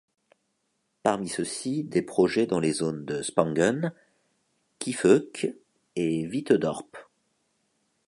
Parmi ceux-ci des projets dans les zones de Spangen, Kiefhoek et Witte Dorp.